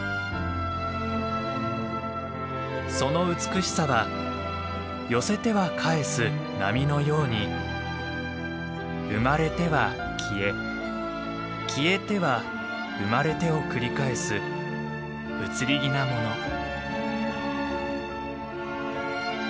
その美しさは寄せては返す波のように生まれては消え消えては生まれてを繰り返す移り気なもの。